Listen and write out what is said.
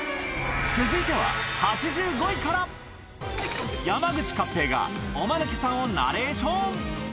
続いては８５位から山口勝平がおマヌケさんをナレーション